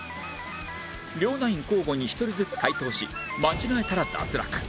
両ナイン交互に１人ずつ解答し間違えたら脱落